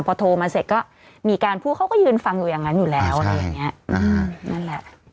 พอโทรมาเสร็จก็มีการพูดเขาก็ยืนฟังอยู่อย่างนั้นอยู่แล้วอะไรอย่างเงี้ยนั่นแหละ